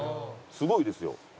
すごいですよ！